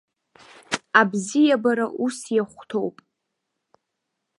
Абзиабара ус иахәҭоуп.